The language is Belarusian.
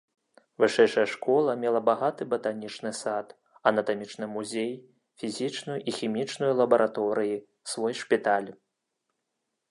Вышэйшая школа мела багаты батанічны сад, анатамічны музей, фізічную і хімічную лабараторыі, свой шпіталь.